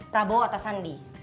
prabowo atau sandi